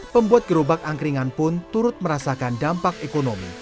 pembuat gerobak angkringan pun turut merasakan dampak ekonomi